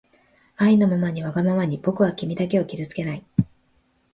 あいのままにわがままにぼくはきみだけをきずつけない